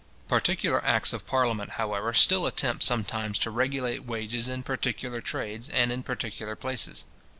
Particular acts of parliament, however, still attempt sometimes to regulate wages in particular trades, and in particular places.